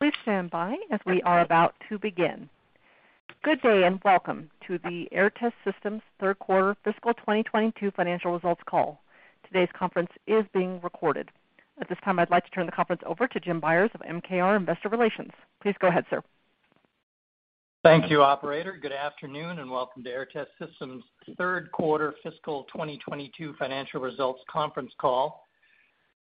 Please stand by as we are about to begin. Good day, and welcome to the Aehr Test Systems third quarter fiscal 2022 financial results call. Today's conference is being recorded. At this time, I'd like to turn the conference over to Jim Byers of MKR Investor Relations. Please go ahead, sir. Thank you, operator. Good afternoon, and welcome to Aehr Test Systems third quarter fiscal 2022 financial results conference call.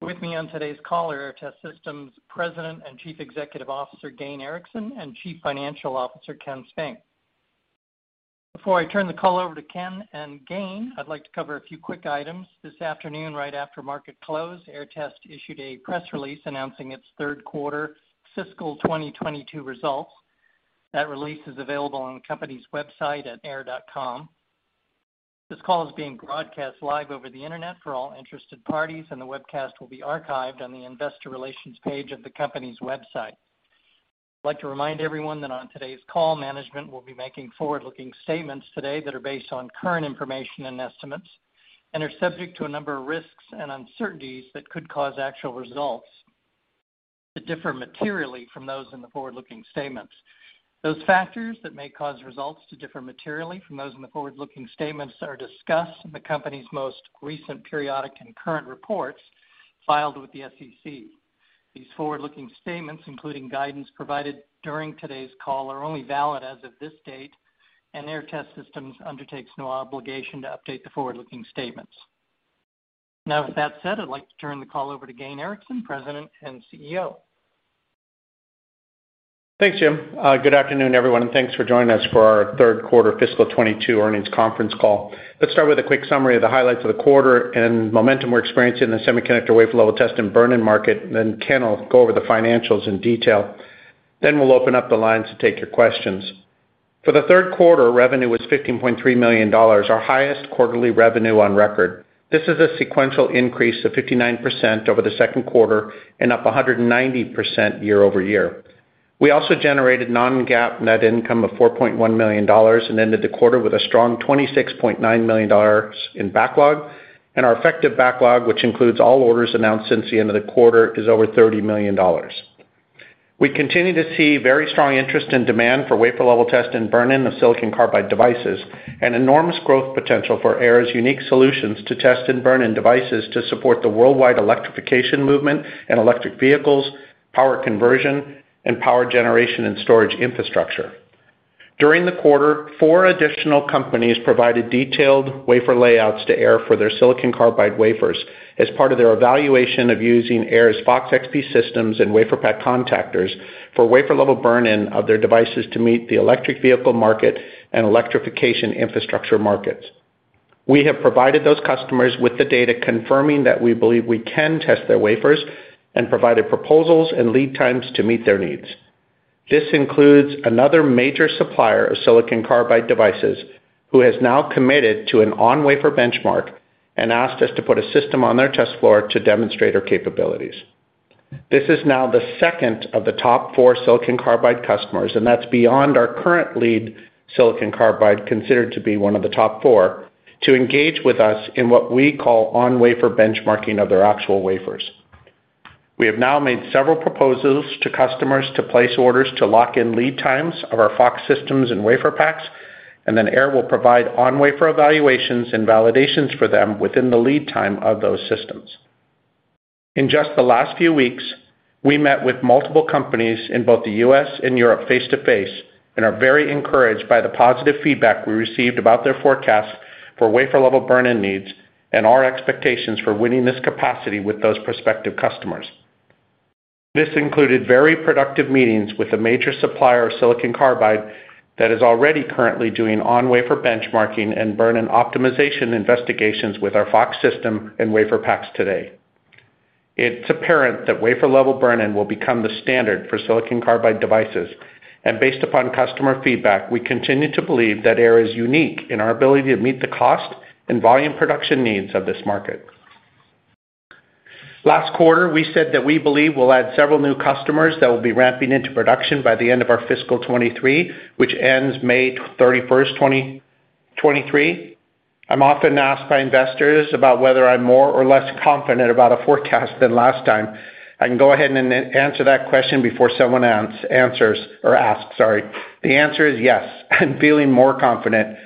With me on today's call are Aehr Test Systems President and Chief Executive Officer, Gayn Erickson, and Chief Financial Officer, Ken Spink. Before I turn the call over to Ken and Gayn, I'd like to cover a few quick items. This afternoon, right after market close, Aehr Test issued a press release announcing its third quarter fiscal 2022 results. That release is available on the company's website at aehr.com. This call is being broadcast live over the Internet for all interested parties, and the webcast will be archived on the investor relations page of the company's website. I'd like to remind everyone that on today's call, management will be making forward-looking statements today that are based on current information and estimates and are subject to a number of risks and uncertainties that could cause actual results to differ materially from those in the forward-looking statements. Those factors that may cause results to differ materially from those in the forward-looking statements are discussed in the company's most recent periodic and current reports filed with the SEC. These forward-looking statements, including guidance provided during today's call, are only valid as of this date, and Aehr Test Systems undertakes no obligation to update the forward-looking statements. Now, with that said, I'd like to turn the call over to Gayn Erickson, President and CEO. Thanks, Jim. Good afternoon, everyone, and thanks for joining us for our third quarter fiscal 2022 earnings conference call. Let's start with a quick summary of the highlights of the quarter and momentum we're experiencing in the semiconductor wafer-level test and burn-in market. Then Ken will go over the financials in detail. Then we'll open up the lines to take your questions. For the third quarter, revenue was $15.3 million, our highest quarterly revenue on record. This is a sequential increase of 59% over the second quarter and up 190% year-over-year. We also generated Non-GAAP net income of $4.1 million and ended the quarter with a strong $26.9 million in backlog. Our effective backlog, which includes all orders announced since the end of the quarter, is over $30 million. We continue to see very strong interest and demand for wafer-level test and burn-in of silicon carbide devices, and enormous growth potential for Aehr's unique solutions to test and burn in devices to support the worldwide electrification movement and electric vehicles, power conversion, and power generation and storage infrastructure. During the quarter, four additional companies provided detailed wafer layouts to Aehr for their silicon carbide wafers as part of their evaluation of using Aehr's FOX-XP systems and WaferPak contactors for wafer-level burn-in of their devices to meet the electric vehicle market and electrification infrastructure markets. We have provided those customers with the data confirming that we believe we can test their wafers and provided proposals and lead times to meet their needs. This includes another major supplier of silicon carbide devices, who has now committed to an on-wafer benchmark and asked us to put a system on their test floor to demonstrate our capabilities. This is now the second of the top four silicon carbide customers, and that's beyond our current lead silicon carbide, considered to be one of the top four, to engage with us in what we call on-wafer benchmarking of their actual wafers. We have now made several proposals to customers to place orders to lock in lead times of our FOX systems and WaferPaks, and then Aehr will provide on-wafer evaluations and validations for them within the lead time of those systems. In just the last few weeks, we met with multiple companies in both the U.S. and Europe face-to-face, and are very encouraged by the positive feedback we received about their forecasts for wafer-level burn-in needs and our expectations for winning this capacity with those prospective customers. This included very productive meetings with a major supplier of silicon carbide that is already currently doing on-wafer benchmarking and burn-in optimization investigations with our FOX system and WaferPaks today. It's apparent that wafer-level burn-in will become the standard for silicon carbide devices, and based upon customer feedback, we continue to believe that Aehr is unique in our ability to meet the cost and volume production needs of this market. Last quarter, we said that we believe we'll add several new customers that will be ramping into production by the end of our fiscal 2023, which ends May 31st, 2023. I'm often asked by investors about whether I'm more or less confident about a forecast than last time. I can go ahead and answer that question before someone answers or asks, sorry. The answer is yes. I'm feeling more confident,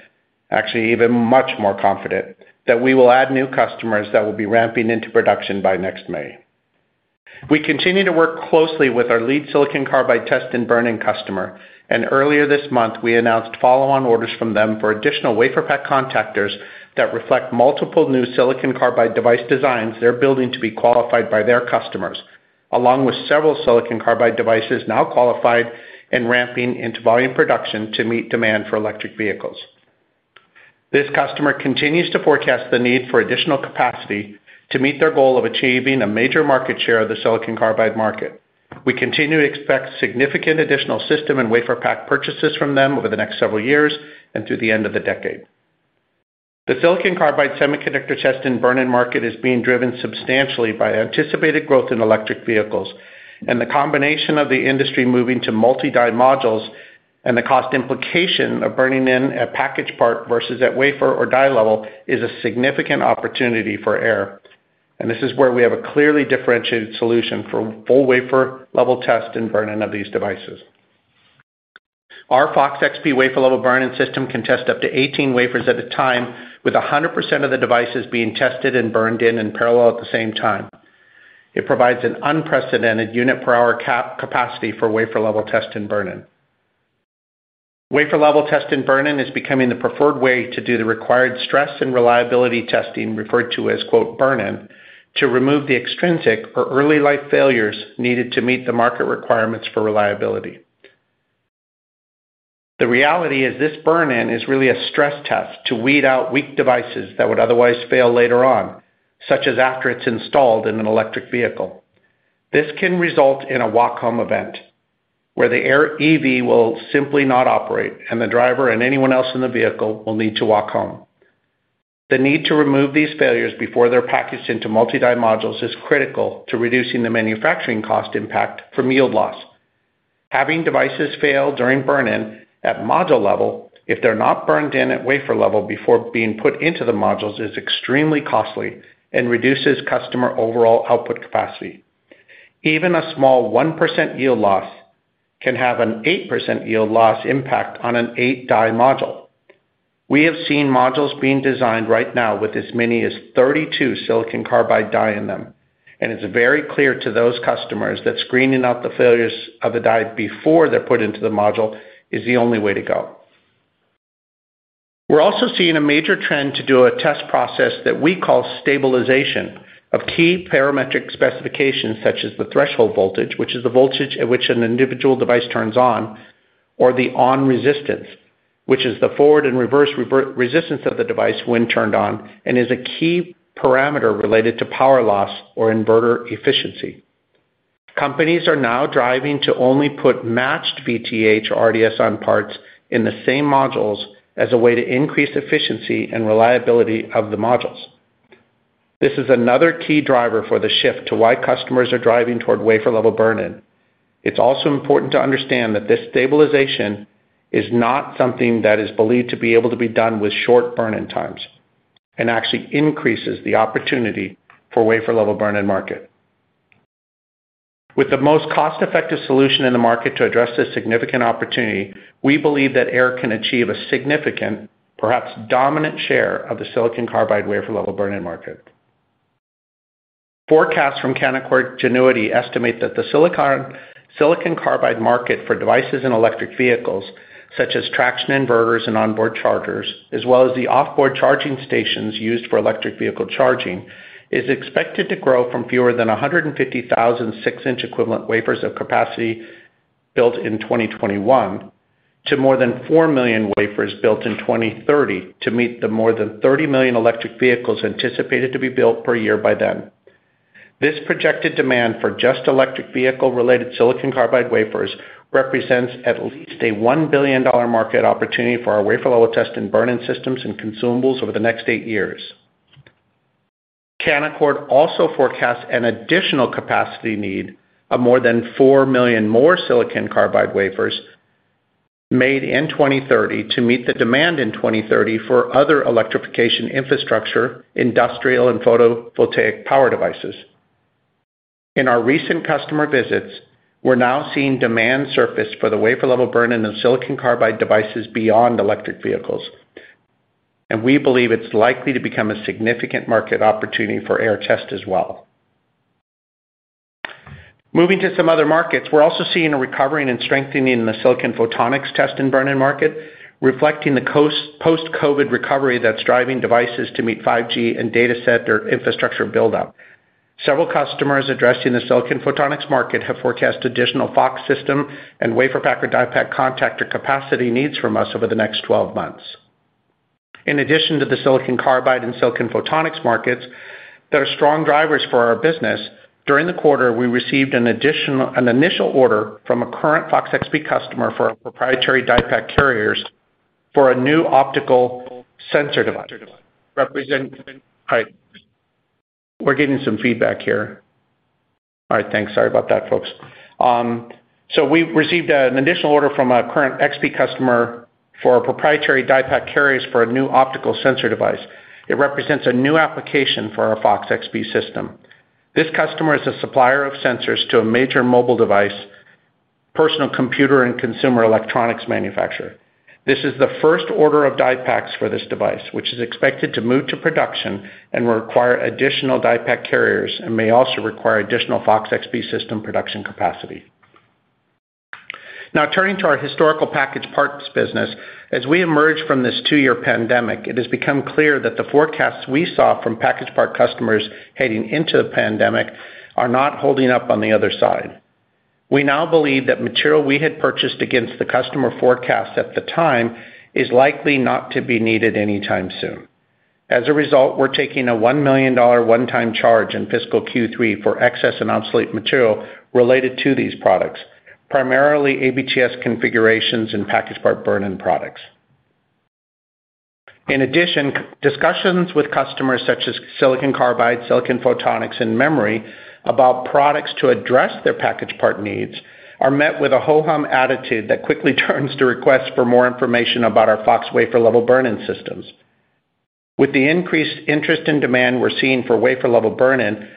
actually, even much more confident, that we will add new customers that will be ramping into production by next May. We continue to work closely with our lead silicon carbide test and burn-in customer. Earlier this month, we announced follow-on orders from them for additional WaferPak Contactors that reflect multiple new silicon carbide device designs they're building to be qualified by their customers, along with several silicon carbide devices now qualified and ramping into volume production to meet demand for electric vehicles. This customer continues to forecast the need for additional capacity to meet their goal of achieving a major market share of the silicon carbide market. We continue to expect significant additional system and WaferPak purchases from them over the next several years and through the end of the decade. The silicon carbide semiconductor test and burn-in market is being driven substantially by anticipated growth in electric vehicles. The combination of the industry moving to multi-die modules and the cost implication of burning in a package part versus at wafer or die level is a significant opportunity for Aehr. This is where we have a clearly differentiated solution for full wafer level test and burn-in of these devices. Our Fox XP wafer level burn-in system can test up to 18 wafers at a time, with 100% of the devices being tested and burned in parallel at the same time. It provides an unprecedented unit per hour capacity for wafer level test and burn-in. Wafer-level test and burn-in is becoming the preferred way to do the required stress and reliability testing, referred to as "burn-in," to remove the extrinsic or early life failures needed to meet the market requirements for reliability. The reality is this burn-in is really a stress test to weed out weak devices that would otherwise fail later on, such as after it's installed in an electric vehicle. This can result in a walk home event, where the EV will simply not operate, and the driver and anyone else in the vehicle will need to walk home. The need to remove these failures before they're packaged into multi-die modules is critical to reducing the manufacturing cost impact from yield loss. Having devices fail during burn-in at module level, if they're not burned in at wafer level before being put into the modules, is extremely costly and reduces customer overall output capacity. Even a small 1% yield loss can have an 8% yield loss impact on an eight die module. We have seen modules being designed right now with as many as 32 silicon carbide die in them, and it's very clear to those customers that screening out the failures of the die before they're put into the module is the only way to go. We're also seeing a major trend to do a test process that we call stabilization of key parametric specifications, such as the threshold voltage, which is the voltage at which an individual device turns on, or the on-resistance, which is the forward and reverse resistance of the device when turned on, and is a key parameter related to power loss or inverter efficiency. Companies are now driving to only put matched VTH or RDS(on) on parts in the same modules as a way to increase efficiency and reliability of the modules. This is another key driver for the shift to why customers are driving toward wafer-level burn-in. It's also important to understand that this stabilization is not something that is believed to be able to be done with short burn-in times, and actually increases the opportunity for wafer-level burn-in market. With the most cost-effective solution in the market to address this significant opportunity, we believe that Aehr can achieve a significant, perhaps dominant share, of the silicon carbide wafer-level burn-in market. Forecasts from Canaccord Genuity estimate that the silicon carbide market for devices and electric vehicles, such as traction inverters and onboard chargers, as well as the off-board charging stations used for electric vehicle charging, is expected to grow from fewer than 150,000 6-inch equivalent wafers of capacity built in 2021 to more than four million wafers built in 2030 to meet the more than 30 million electric vehicles anticipated to be built per year by then. This projected demand for just electric vehicle related silicon carbide wafers represents at least a $1 billion market opportunity for our wafer-level test and burn-in systems and consumables over the next eight years. Canaccord also forecasts an additional capacity need of more than four million more silicon carbide wafers made in 2030 to meet the demand in 2030 for other electrification infrastructure, industrial and photovoltaic power devices. In our recent customer visits, we're now seeing demand surface for the wafer-level burn-in of silicon carbide devices beyond electric vehicles, and we believe it's likely to become a significant market opportunity for Aehr Test as well. Moving to some other markets. We're also seeing a recovery and strengthening in the silicon photonics test and burn-in market, reflecting the post-COVID recovery that's driving devices to meet 5G and data center infrastructure buildup. Several customers addressing the silicon photonics market have forecast additional FOX system and WaferPak and DiePak contactor capacity needs from us over the next 12 months. In addition to the silicon carbide and silicon photonics markets that are strong drivers for our business, during the quarter, we received an additional order from a current FOX-XP customer for our proprietary DiePak carriers for a new optical sensor device. It represents a new application for our FOX-XP system. This customer is a supplier of sensors to a major mobile device, personal computer, and consumer electronics manufacturer. This is the first order of DiePaks for this device, which is expected to move to production and will require additional DiePak carriers and may also require additional FOX-XP system production capacity. Now, turning to our historical packaged parts business. As we emerge from this two year pandemic, it has become clear that the forecasts we saw from packaged part customers heading into the pandemic are not holding up on the other side. We now believe that material we had purchased against the customer forecasts at the time is likely not to be needed anytime soon. As a result, we're taking a $1 million one-time charge in fiscal Q3 for excess and obsolete material related to these products, primarily ABTS configurations and packaged part burn-in products. In addition, discussions with customers such as silicon carbide, silicon photonics, and memory about products to address their packaged part needs are met with a ho-hum attitude that quickly turns to requests for more information about our FOX wafer-level burn-in systems. With the increased interest and demand we're seeing for wafer-level burn-in,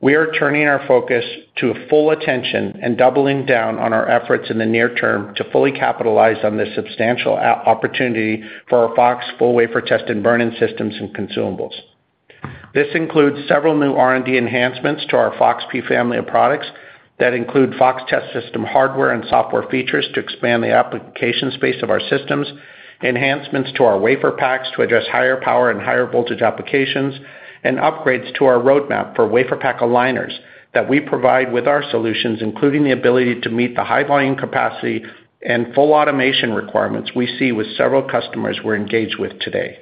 we are turning our focus to a full attention and doubling down on our efforts in the near term to fully capitalize on this substantial opportunity for our FOX full-wafer test and burn-in systems and consumables. This includes several new R&D enhancements to our FOX-P family of products that include FOX test system hardware and software features to expand the application space of our systems, enhancements to our WaferPaks to address higher power and higher voltage applications, and upgrades to our roadmap for WaferPak Aligners that we provide with our solutions, including the ability to meet the high volume capacity and full automation requirements we see with several customers we're engaged with today.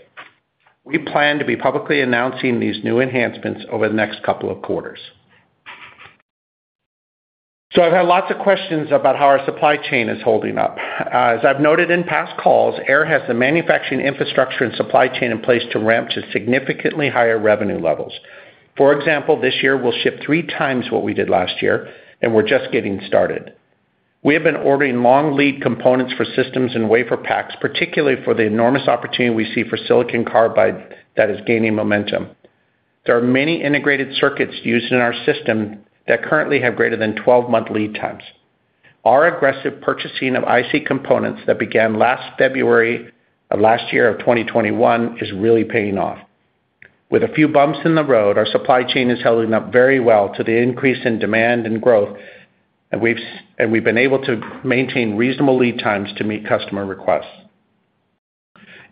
We plan to be publicly announcing these new enhancements over the next couple of quarters. I've had lots of questions about how our supply chain is holding up. As I've noted in past calls, Aehr has the manufacturing infrastructure and supply chain in place to ramp to significantly higher revenue levels. For example, this year we'll ship three times what we did last year, and we're just getting started. We have been ordering long lead components for systems and WaferPaks, particularly for the enormous opportunity we see for silicon carbide that is gaining momentum. There are many integrated circuits used in our system that currently have greater than 12-month lead times. Our aggressive purchasing of IC components that began last February of last year, of 2021, is really paying off. With a few bumps in the road, our supply chain is holding up very well to the increase in demand and growth, and we've been able to maintain reasonable lead times to meet customer requests.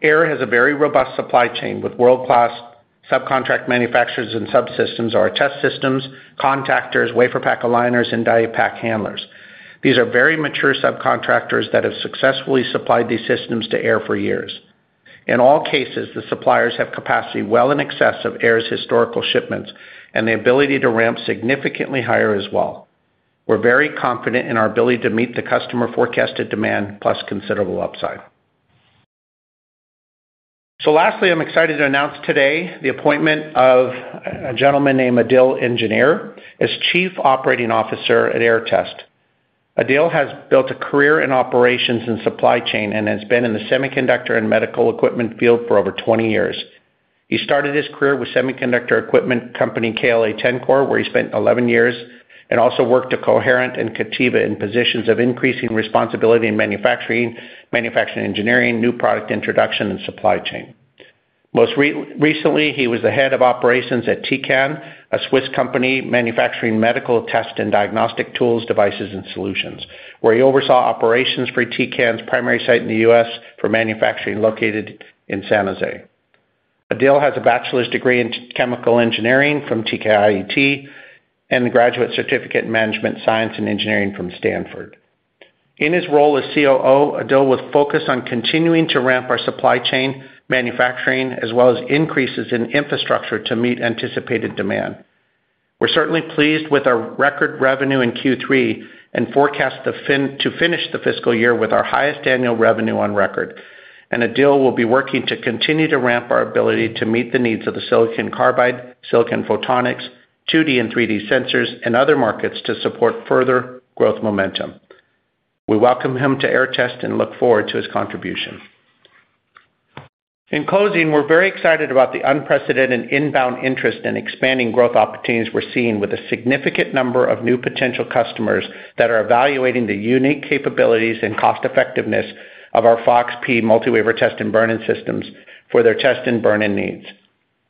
Aehr has a very robust supply chain with world-class subcontract manufacturers and subsystems, our test systems, contactors, WaferPak aligners, and DiePak handlers. These are very mature subcontractors that have successfully supplied these systems to Aehr for years. In all cases, the suppliers have capacity well in excess of Aehr's historical shipments and the ability to ramp significantly higher as well. We're very confident in our ability to meet the customer forecasted demand plus considerable upside. Lastly, I'm excited to announce today the appointment of a gentleman named Adil Engineer as Chief Operating Officer at Aehr Test Systems. Adil has built a career in operations and supply chain, and has been in the semiconductor and medical equipment field for over 20 years. He started his career with semiconductor equipment company KLA-Tencor, where he spent 11 years and also worked at Coherent and Cativa in positions of increasing responsibility in manufacturing engineering, new product introduction, and supply chain. Most recently, he was the Head of Operations at Tecan, a Swiss company manufacturing medical test and diagnostic tools, devices, and solutions, where he oversaw operations for Tecan's primary site in the U.S. for manufacturing located in San Jose. Adil has a bachelor's degree in chemical engineering from TKIET, and a graduate certificate in Management Science and Engineering from Stanford. In his role as COO, Adil will focus on continuing to ramp our supply chain manufacturing, as well as increases in infrastructure to meet anticipated demand. We're certainly pleased with our record revenue in Q3, and forecast to finish the fiscal year with our highest annual revenue on record. Adil will be working to continue to ramp our ability to meet the needs of the silicon carbide, silicon photonics, 2D and 3D sensors, and other markets to support further growth momentum. We welcome him to Aehr Test and look forward to his contribution. In closing, we're very excited about the unprecedented inbound interest and expanding growth opportunities we're seeing with a significant number of new potential customers that are evaluating the unique capabilities and cost effectiveness of our FOX-P multi-wafer test and burn-in systems for their test and burn-in needs.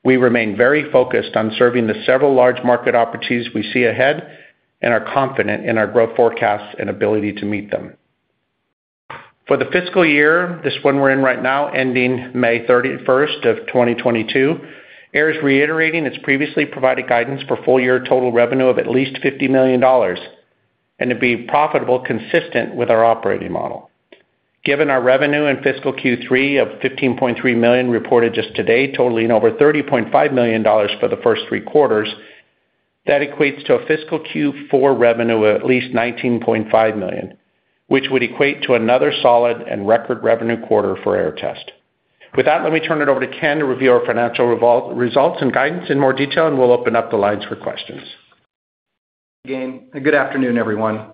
We remain very focused on serving the several large market opportunities we see ahead, and are confident in our growth forecasts and ability to meet them. For the fiscal year, this one we're in right now, ending May 31, 2022, Aehr is reiterating its previously provided guidance for full year total revenue of at least $50 million, and to be profitable consistent with our operating model. Given our revenue in fiscal Q3 of $15.3 million reported just today, totaling over $30.5 million for the first three quarters, that equates to a fiscal Q4 revenue of at least $19.5 million, which would equate to another solid and record revenue quarter for Aehr Test. With that, let me turn it over to Ken to review our financial results and guidance in more detail, and we'll open up the lines for questions. Good afternoon, everyone.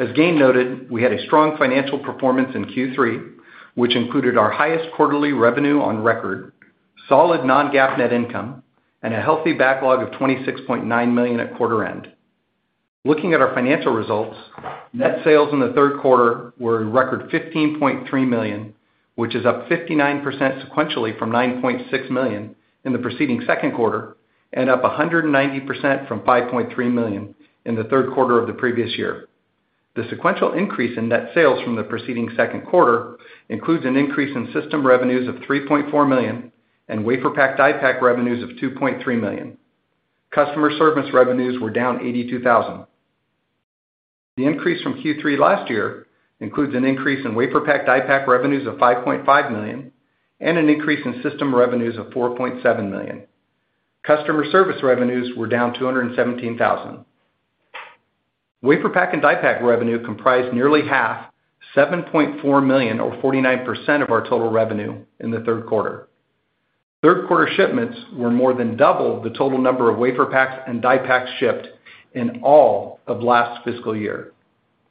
As Gayn noted, we had a strong financial performance in Q3, which included our highest quarterly revenue on record, solid Non-GAAP net income, and a healthy backlog of $26.9 million at quarter end. Looking at our financial results, net sales in the third quarter were a record $15.3 million, which is up 59% sequentially from $9.6 million in the preceding second quarter, and up 190% from $5.3 million in the third quarter of the previous year. The sequential increase in net sales from the preceding second quarter includes an increase in system revenues of $3.4 million and WaferPak DiePak revenues of $2.3 million. Customer service revenues were down $82,000. The increase from Q3 last year includes an increase in WaferPak and DiePak revenues of $5.5 million and an increase in system revenues of $4.7 million. Customer service revenues were down $217,000. WaferPak and DiePak revenue comprised nearly half, $7.4 million or 49% of our total revenue in the third quarter. Third quarter shipments were more than double the total number of WaferPaks and DiePaks shipped in all of last fiscal year.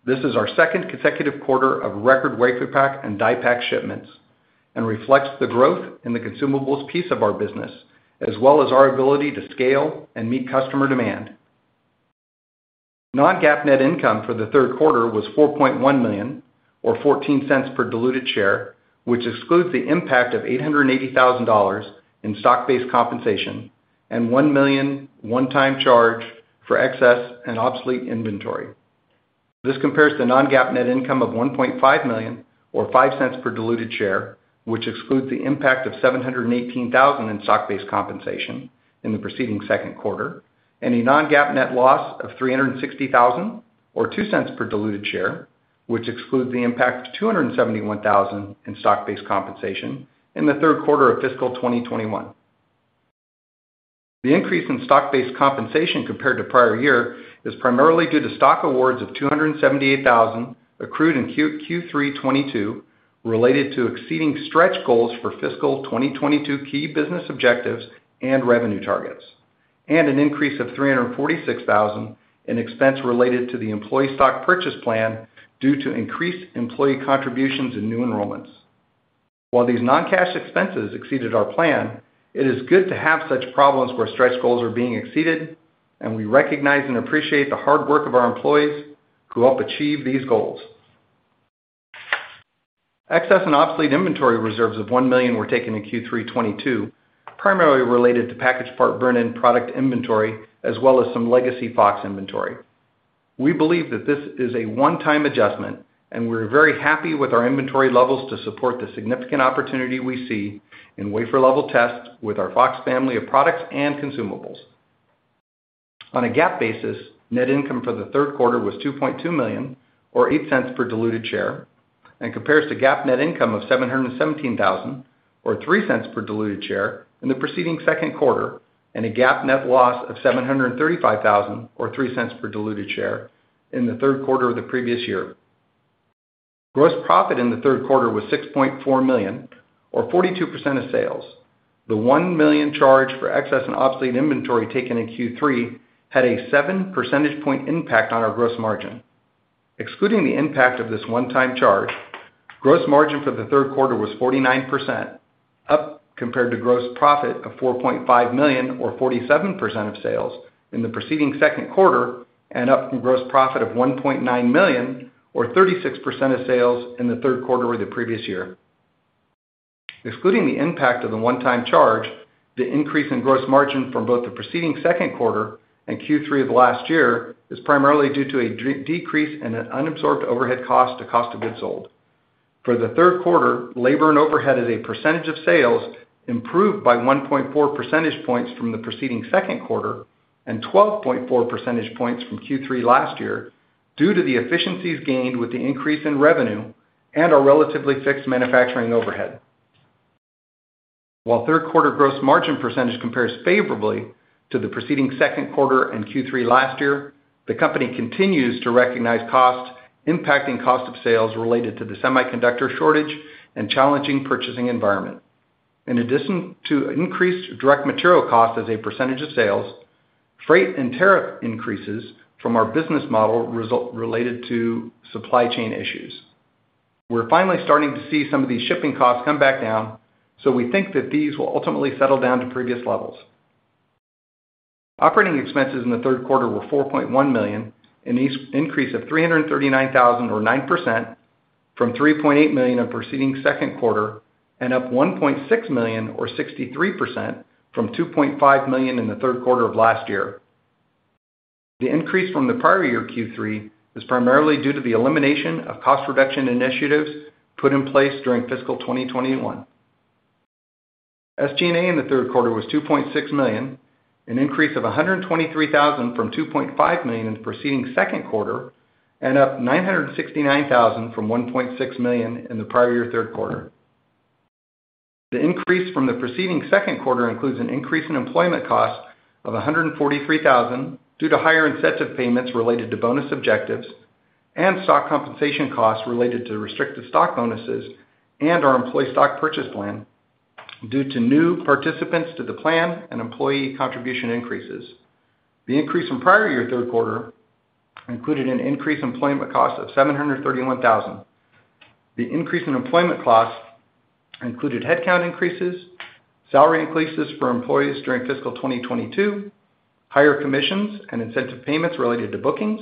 This is our second consecutive quarter of record WaferPak and DiePak shipments, and reflects the growth in the consumables piece of our business, as well as our ability to scale and meet customer demand. Non-GAAP net income for the third quarter was $4.1 million or $0.14 per diluted share, which excludes the impact of $880 thousand in stock-based compensation and $1 million one-time charge for excess and obsolete inventory. This compares to Non-GAAP net income of $1.5 million or $0.05 per diluted share, which excludes the impact of $718 thousand in stock-based compensation in the preceding second quarter, and a Non-GAAP net loss of $360 thousand or $0.02 per diluted share, which excludes the impact of $271 thousand in stock-based compensation in the third quarter of fiscal 2021. The increase in stock-based compensation compared to prior year is primarily due to stock awards of $278,000 accrued in Q3 2022 related to exceeding stretch goals for fiscal 2022 key business objectives and revenue targets, and an increase of $346,000 in expense related to the employee stock purchase plan due to increased employee contributions and new enrollments. While these non-cash expenses exceeded our plan, it is good to have such problems where stretch goals are being exceeded, and we recognize and appreciate the hard work of our employees who help achieve these goals. Excess and obsolete inventory reserves of $1 million were taken in Q3 2022, primarily related to packaged part burn-in product inventory as well as some legacy FOX inventory. We believe that this is a one-time adjustment, and we're very happy with our inventory levels to support the significant opportunity we see in wafer-level tests with our FOX family of products and consumables. On a GAAP basis, net income for the third quarter was $2.2 million or $0.08 per diluted share, and compares to GAAP net income of $717,000 or $0.03 per diluted share in the preceding second quarter, and a GAAP net loss of $735,000 or $0.03 per diluted share in the third quarter of the previous year. Gross profit in the third quarter was $6.4 million or 42% of sales. The $1 million charge for excess and obsolete inventory taken in Q3 had a seven percentage point impact on our gross margin. Excluding the impact of this one-time charge, gross margin for the third quarter was 49%, up compared to gross profit of $4.5 million or 47% of sales in the preceding second quarter, and up from gross profit of $1.9 million or 36% of sales in the third quarter of the previous year. Excluding the impact of the one-time charge, the increase in gross margin from both the preceding second quarter and Q3 of last year is primarily due to a decrease in an unabsorbed overhead cost to cost of goods sold. For the third quarter, labor and overhead as a percentage of sales improved by 1.4 percentage points from the preceding second quarter, and 12.4 percentage points from Q3 last year due to the efficiencies gained with the increase in revenue and our relatively fixed manufacturing overhead. While third quarter gross margin percentage compares favorably to the preceding second quarter and Q3 last year, the company continues to recognize costs impacting cost of sales related to the semiconductor shortage and challenging purchasing environment. In addition to increased direct material cost as a percentage of sales, freight and tariff increases from our business model result related to supply chain issues. We're finally starting to see some of these shipping costs come back down, so we think that these will ultimately settle down to previous levels. Operating expenses in the third quarter were $4.1 million, an increase of $339,000 or 9% from $3.8 million in preceding second quarter, and up $1.6 million or 63% from $2.5 million in the third quarter of last year. The increase from the prior year Q3 is primarily due to the elimination of cost reduction initiatives put in place during fiscal 2021. SG&A in the third quarter was $2.6 million, an increase of $123,000 from $2.5 million in the preceding second quarter, and up $969,000 from $1.6 million in the prior year third quarter. The increase from the preceding second quarter includes an increase in employment costs of $143,000 due to higher incentive payments related to bonus objectives, and stock compensation costs related to restricted stock bonuses, and our employee stock purchase plan due to new participants to the plan and employee contribution increases. The increase in prior year third quarter included an increase in employment costs of $731,000. The increase in employment costs included headcount increases, salary increases for employees during fiscal 2022, higher commissions and incentive payments related to bookings,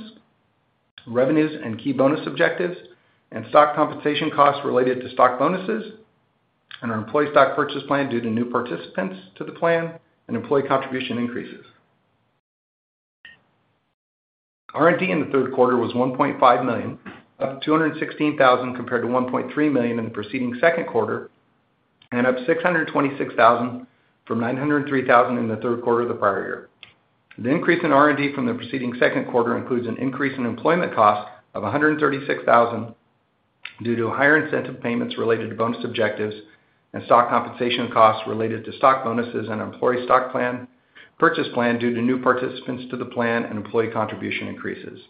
revenues and key bonus objectives, and stock compensation costs related to stock bonuses, and our employee stock purchase plan due to new participants to the plan and employee contribution increases. R&D in the third quarter was $1.5 million, up $216,000 compared to $1.3 million in the preceding second quarter, and up $626,000 from $903,000 in the third quarter of the prior year. The increase in R&D from the preceding second quarter includes an increase in employment costs of $136,000 due to higher incentive payments related to bonus objectives and stock compensation costs related to stock bonuses and employee stock plan purchase plan due to new participants to the plan and employee contribution increases.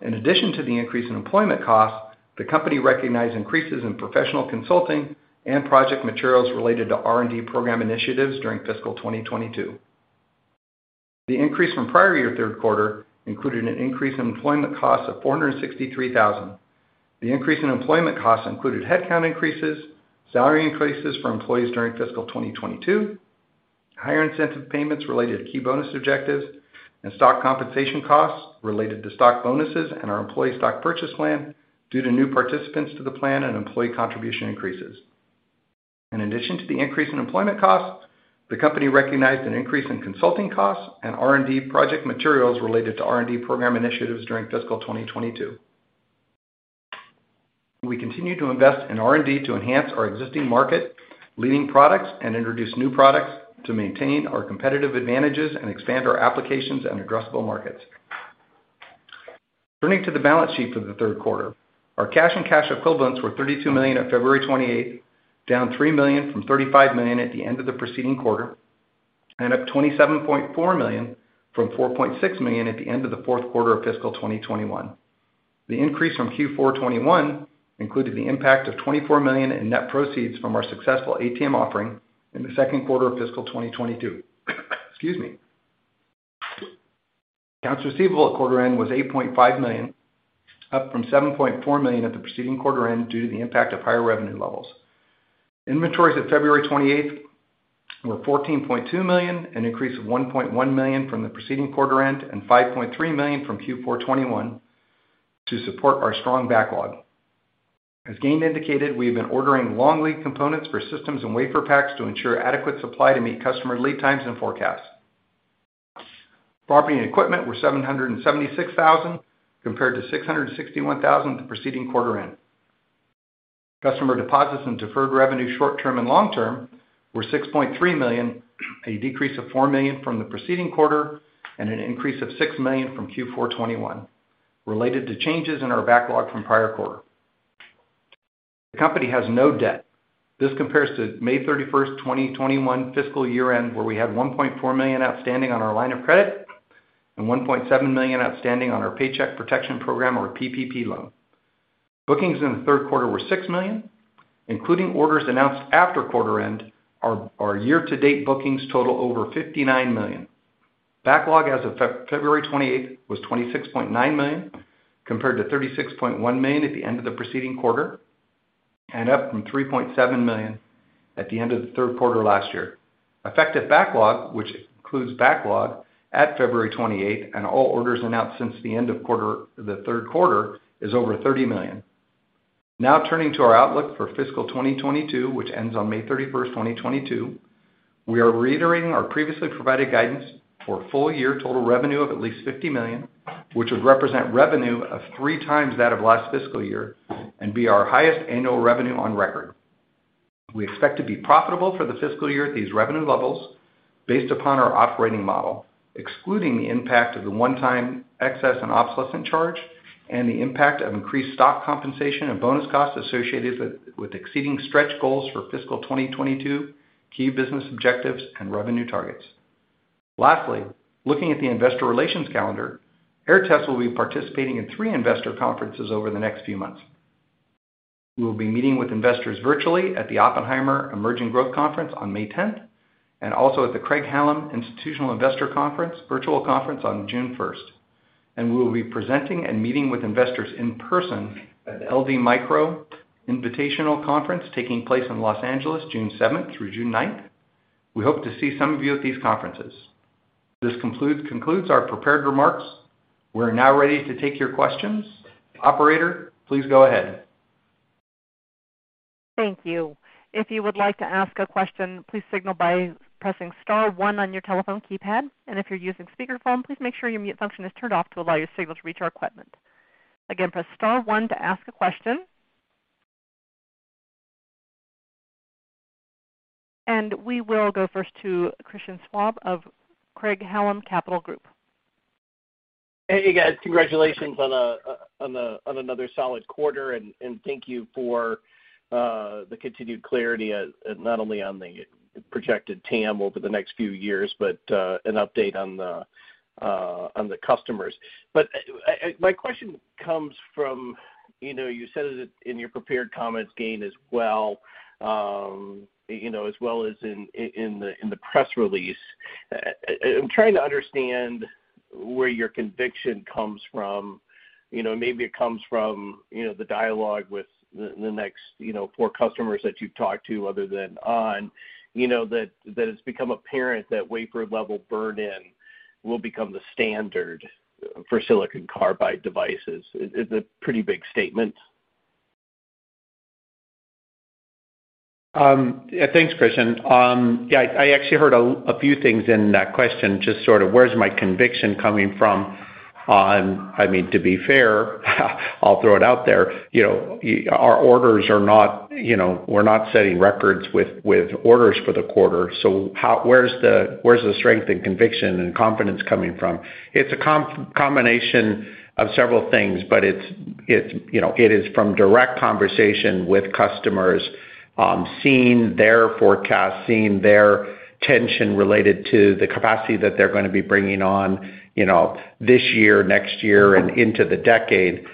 In addition to the increase in employment costs, the company recognized increases in professional consulting and project materials related to R&D program initiatives during fiscal 2022. The increase from prior-year third quarter included an increase in employment costs of $463,000. The increase in employment costs included headcount increases, salary increases for employees during fiscal 2022, higher incentive payments related to key bonus objectives, and stock compensation costs related to stock bonuses and our employee stock purchase plan due to new participants to the plan and employee contribution increases. In addition to the increase in employment costs, the company recognized an increase in consulting costs and R&D project materials related to R&D program initiatives during fiscal 2022. We continue to invest in R&D to enhance our existing market-leading products and introduce new products to maintain our competitive advantages and expand our applications and addressable markets. Turning to the balance sheet for the third quarter. Our cash and cash equivalents were $32 million on February 28, down $3 million from $35 million at the end of the preceding quarter, and up $27.4 million from $4.6 million at the end of the fourth quarter of fiscal 2021. The increase from Q4 2021 included the impact of $24 million in net proceeds from our successful ATM offering in the second quarter of fiscal 2022. Excuse me. Accounts receivable at quarter end was $8.5 million, up from $7.4 million at the preceding quarter end due to the impact of higher revenue levels. Inventories at February 28 were $14.2 million, an increase of $1.1 million from the preceding quarter end and $5.3 million from Q4 2021 to support our strong backlog. As Gayn indicated, we have been ordering long lead components for systems and WaferPaks to ensure adequate supply to meet customer lead times and forecasts. Property and equipment were $776 thousand compared to $661 thousand at the preceding quarter end. Customer deposits and deferred revenue short term and long term were $6.3 million, a decrease of $4 million from the preceding quarter, and an increase of $6 million from Q4 2021 related to changes in our backlog from prior quarter. The company has no debt. This compares to May 31, 2021 fiscal year-end, where we had $1.4 million outstanding on our line of credit and $1.7 million outstanding on our Paycheck Protection Program or PPP loan. Bookings in the third quarter were $6 million, including orders announced after quarter end, our year-to-date bookings total over $59 million. Backlog as of February 28 was $26.9 million, compared to $36.1 million at the end of the preceding quarter, and up from $3.7 million at the end of the third quarter last year. Effective backlog, which includes backlog at February 28 and all orders announced since the end of quarter, the third quarter, is over $30 million. Now turning to our outlook for fiscal 2022, which ends on May 31, 2022. We are reiterating our previously provided guidance for full year total revenue of at least $50 million, which would represent revenue of three times that of last fiscal year and be our highest annual revenue on record. We expect to be profitable for the fiscal year at these revenue levels based upon our operating model, excluding the impact of the one-time excess and obsolescent charge and the impact of increased stock compensation and bonus costs associated with exceeding stretch goals for fiscal 2022 key business objectives and revenue targets. Lastly, looking at the investor relations calendar, Aehr Test will be participating in three investor conferences over the next few months. We will be meeting with investors virtually at the Oppenheimer Emerging Growth Conference on May 10, and also at the Craig-Hallum Institutional Investor Conference, virtual conference on June 1st. We will be presenting and meeting with investors in person at the LD Micro Invitational Conference taking place in Los Angeles, June 7th through June 9th. We hope to see some of you at these conferences. This concludes our prepared remarks. We're now ready to take your questions. Operator, please go ahead. Thank you. If you would like to ask a question, please signal by pressing star one on your telephone keypad. If you're using speakerphone, please make sure your mute function is turned off to allow your signal to reach our equipment. Again, press star one to ask a question. We will go first to Christian Schwab of Craig-Hallum Capital Group. Hey, you guys. Congratulations on another solid quarter, and thank you for the continued clarity, not only on the projected TAM over the next few years, but an update on the customers. My question comes from you know, you said it in your prepared comments, Gayn, as well, you know, as well as in the press release. I'm trying to understand where your conviction comes from. You know, maybe it comes from you know, the dialogue with the next you know, four customers that you've talked to other than onsemi, you know, that it's become apparent that wafer level burn-in will become the standard for silicon carbide devices. It's a pretty big statement. Yeah. Thanks, Christian. Yeah, I actually heard a few things in that question, just sort of where's my conviction coming from? I mean, to be fair, I'll throw it out there, you know, our orders are not, you know, we're not setting records with orders for the quarter, so where's the strength and conviction and confidence coming from? It's a combination of several things, but it's, you know, it is from direct conversation with customers, seeing their forecast, seeing their tension related to the capacity that they're gonna be bringing on, you know, this year, next year, and into the decade.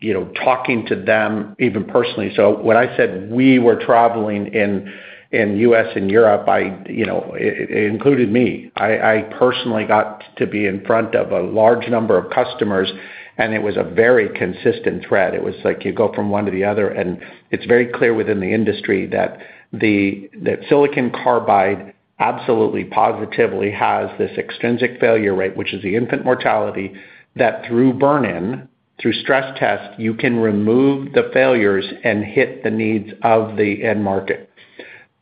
You know, talking to them even personally. When I said we were traveling in U.S. and Europe, you know, it included me. I personally got to be in front of a large number of customers, and it was a very consistent thread. It was like you go from one to the other, and it's very clear within the industry that silicon carbide absolutely positively has this extrinsic failure rate, which is the infant mortality, that through burn-in, through stress test, you can remove the failures and hit the needs of the end market.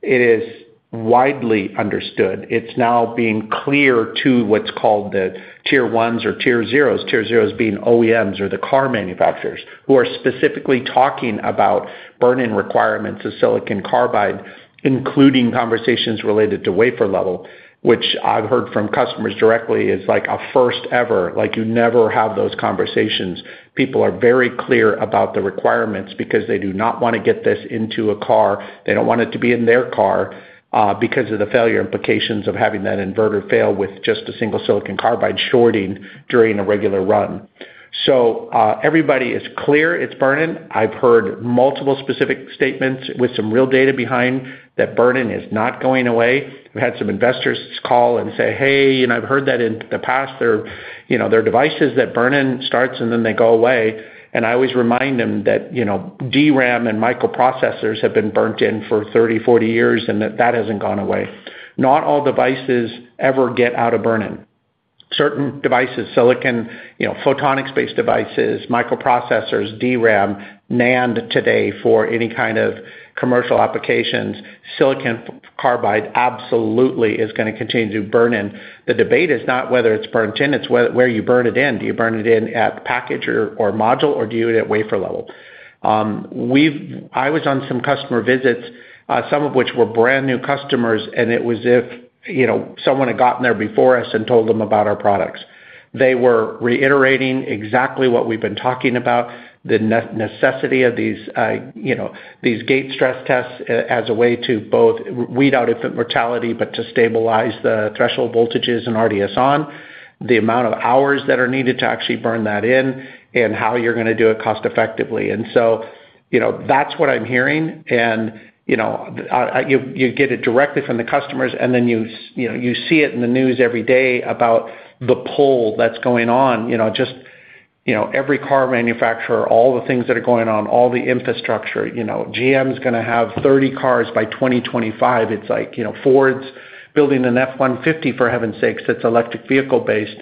It is widely understood. It's now being clear to what's called the tier ones or tier zeros. Tier zeros being OEMs or the car manufacturers, who are specifically talking about burn-in requirements to silicon carbide, including conversations related to wafer-level, which I've heard from customers directly is like a first-ever, like you never have those conversations. People are very clear about the requirements because they do not wanna get this into a car. They don't want it to be in their car, because of the failure implications of having that inverter fail with just a single silicon carbide shorting during a regular run. Everybody is clear it's burn-in. I've heard multiple specific statements with some real data behind that burn-in is not going away. We've had some investors call and say, "Hey, you know, I've heard that in the past. There are, you know, devices that burn-in starts, and then they go away." I always remind them that, you know, DRAM and microprocessors have been burned in for 30, 40 years, and that hasn't gone away. Not all devices ever get out of burn-in. Certain devices, silicon photonics-based devices, microprocessors, DRAM, NAND today for any kind of commercial applications, silicon carbide absolutely is gonna continue to do burn-in. The debate is not whether it's burn-in, it's where you burn it in. Do you burn it in at package or module, or do you do it at wafer-level? I was on some customer visits, some of which were brand-new customers, and it was as if, you know, someone had gotten there before us and told them about our products. They were reiterating exactly what we've been talking about, the necessity of these, you know, these gate stress tests as a way to both weed out infant mortality, but to stabilize the threshold voltages and RDS(on), the amount of hours that are needed to actually burn that in, and how you're gonna do it cost-effectively. You know, that's what I'm hearing. You know, you get it directly from the customers, and then you know, you see it in the news every day about the pull that's going on. You know, just, you know, every car manufacturer, all the things that are going on, all the infrastructure. You know, GM's gonna have 30 cars by 2025. It's like, you know, Ford's building an F-150 for heaven's sakes that's electric vehicle based.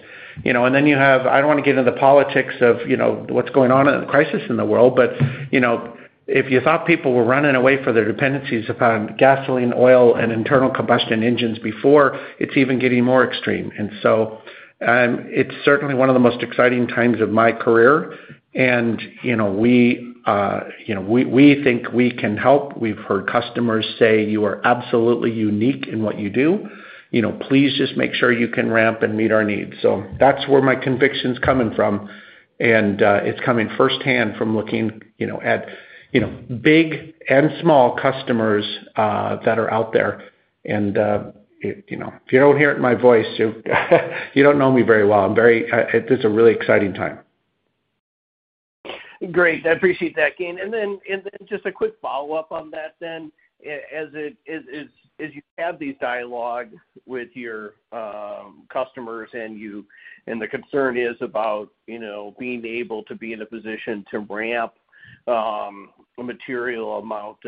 You know, and then you have. I don't wanna get into the politics of, you know, what's going on in the crisis in the world, but, you know, if you thought people were running away for their dependencies upon gasoline, oil, and internal combustion engines before, it's even getting more extreme. It's certainly one of the most exciting times of my career. You know, we think we can help. We've heard customers say, "You are absolutely unique in what you do. You know, please just make sure you can ramp and meet our needs." That's where my conviction's coming from. It's coming firsthand from looking, you know, at, you know, big and small customers that are out there. You know, if you don't hear it in my voice, you don't know me very well. It's a really exciting time. Great. I appreciate that, Gayn. Just a quick follow-up on that then. As it is, as you have these dialogues with your customers and the concern is about, you know, being able to be in a position to ramp a material amount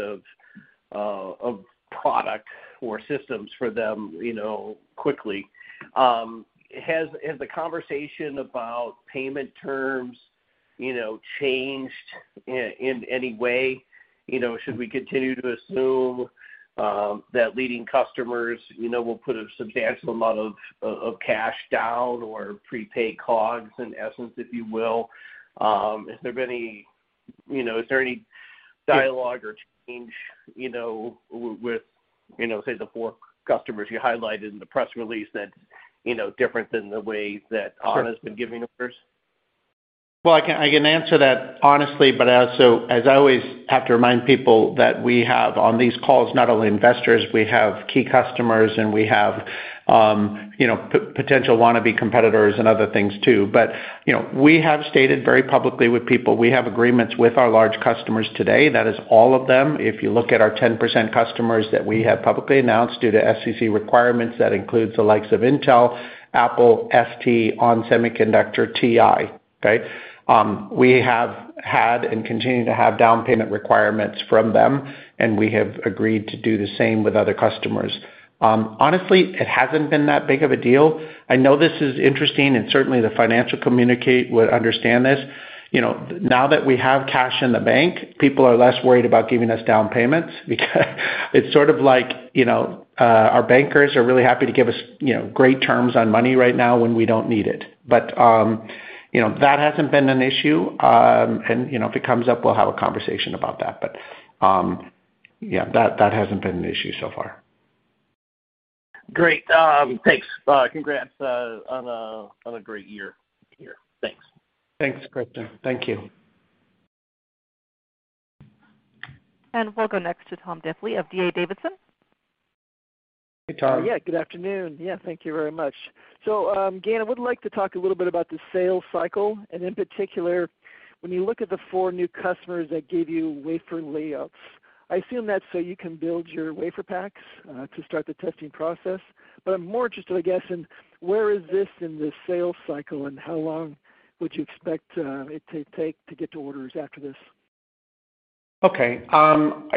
of product or systems for them, you know, quickly, has the conversation about payment terms, you know, changed in any way? You know, should we continue to assume that leading customers, you know, will put a substantial amount of cash down or prepay COGS, in essence, if you will? Has there been any dialogue or change, you know, with, you know, say, the four customers you highlighted in the press release that's, you know, different than the way that onsemi has been giving theirs? I can answer that honestly, but also, as I always have to remind people that we have on these calls not only investors, we have key customers, and we have, you know, potential wannabe competitors and other things too. You know, we have stated very publicly with people, we have agreements with our large customers today. That is all of them. If you look at our 10% customers that we have publicly announced due to SEC requirements, that includes the likes of Intel, Apple, FT, ON Semiconductor, TI. Okay? We have had and continue to have down payment requirements from them, and we have agreed to do the same with other customers. Honestly, it hasn't been that big of a deal. I know this is interesting, and certainly the financial community would understand this. You know, now that we have cash in the bank, people are less worried about giving us down payments because it's sort of like, you know, our bankers are really happy to give us, you know, great terms on money right now when we don't need it. You know, that hasn't been an issue. You know, if it comes up, we'll have a conversation about that. Yeah, that hasn't been an issue so far. Great. Thanks. Congrats on a great year here. Thanks. Thanks, Christian. Thank you. We'll go next to Tom Diffely of D.A. Davidson. Hey, Tom. Yeah, good afternoon. Yeah, thank you very much. Again, I would like to talk a little bit about the sales cycle, and in particular, when you look at the four new customers that gave you wafer layouts. I assume that's so you can build your WaferPaks to start the testing process. I'm more interested, I guess, in where is this in the sales cycle, and how long would you expect it to take to get to orders after this? Okay.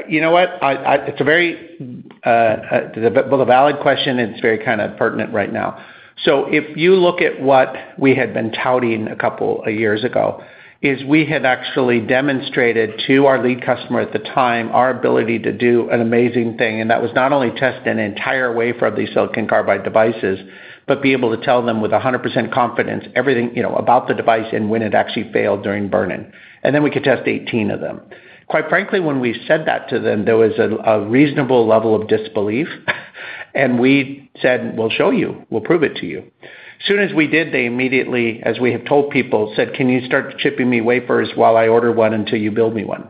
You know what? It's a very, well, a valid question, and it's very kind of pertinent right now. If you look at what we had been touting a couple of years ago is we had actually demonstrated to our lead customer at the time our ability to do an amazing thing, and that was not only test an entire wafer of these silicon carbide devices, but be able to tell them with 100% confidence everything, you know, about the device and when it actually failed during burning. We could test 18 of them. Quite frankly, when we said that to them, there was a reasonable level of disbelief, and we said, "We'll show you. We'll prove it to you." As soon as we did, they immediately, as we have told people, said, "Can you start shipping me wafers while I order one until you build me one?"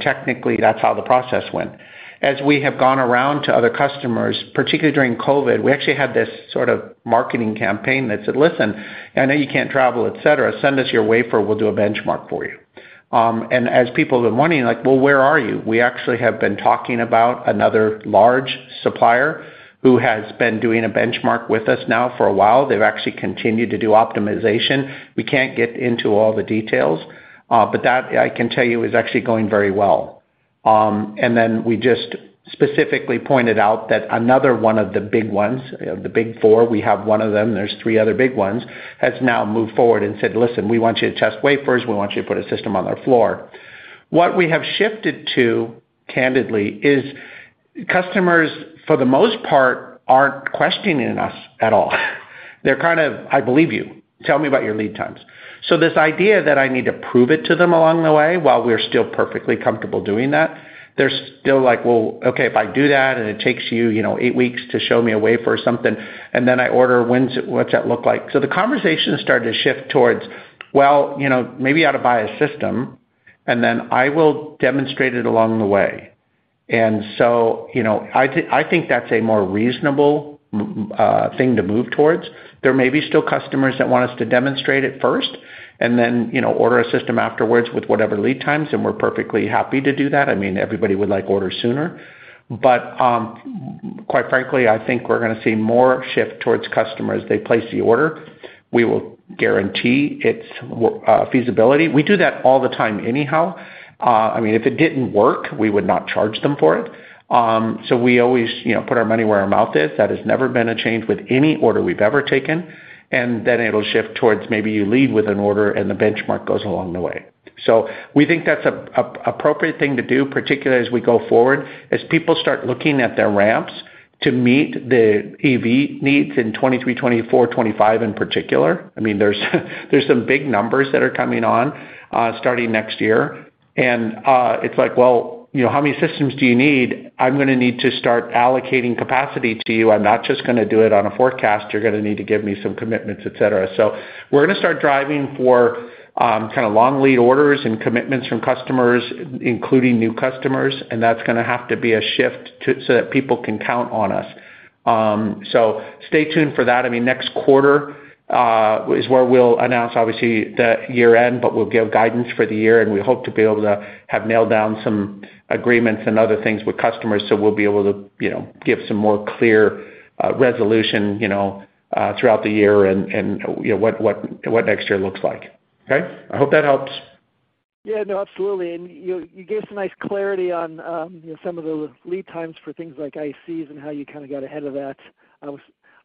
Technically, that's how the process went. As we have gone around to other customers, particularly during COVID, we actually had this sort of marketing campaign that said, "Listen, I know you can't travel, et cetera. Send us your wafer. We'll do a benchmark for you." As people have been wondering, like, "Well, where are you?" We actually have been talking about another large supplier who has been doing a benchmark with us now for a while. They've actually continued to do optimization. We can't get into all the details, but that, I can tell you, is actually going very well. we just specifically pointed out that another one of the big ones, the big four, we have one of them, there's three other big ones, has now moved forward and said, "Listen, we want you to test wafers. We want you to put a system on our floor." What we have shifted to, candidly, is customers, for the most part, aren't questioning us at all. They're kind of, "I believe you. Tell me about your lead times." this idea that I need to prove it to them along the way, while we're still perfectly comfortable doing that, they're still like, "Well, okay, if I do that, and it takes you know, eight weeks to show me a wafer or something, and then I order, when's it What's that look like?" The conversation started to shift towards, "Well, you know, maybe you ought to buy a system, and then I will demonstrate it along the way." You know, I think that's a more reasonable thing to move towards. There may be still customers that want us to demonstrate it first and then, you know, order a system afterwards with whatever lead times, and we're perfectly happy to do that. I mean, everybody would like orders sooner. Quite frankly, I think we're gonna see more shift towards customers. They place the order. We will guarantee its feasibility. We do that all the time anyhow. I mean, if it didn't work, we would not charge them for it. We always, you know, put our money where our mouth is. That has never been a change with any order we've ever taken. Then it'll shift towards maybe you lead with an order, and the benchmark goes along the way. We think that's a appropriate thing to do, particularly as we go forward. As people start looking at their ramps to meet the EV needs in 2023, 2024, 2025 in particular, I mean, there's some big numbers that are coming on, starting next year. It's like, well, you know, how many systems do you need? I'm gonna need to start allocating capacity to you. I'm not just gonna do it on a forecast. You're gonna need to give me some commitments, et cetera. We're gonna start driving for kind of long lead orders and commitments from customers, including new customers, and that's gonna have to be a shift so that people can count on us. Stay tuned for that. Next quarter is where we'll announce, obviously, the year-end, but we'll give guidance for the year, and we hope to be able to have nailed down some agreements and other things with customers, so we'll be able to, you know, give some more clear resolution, you know, throughout the year and, you know, what next year looks like. Okay. I hope that helps. Yeah, no, absolutely. You gave some nice clarity on, you know, some of the lead times for things like ICs and how you kind of got ahead of that.